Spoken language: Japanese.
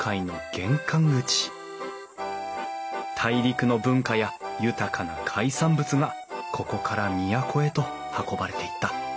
大陸の文化や豊かな海産物がここから都へと運ばれていった。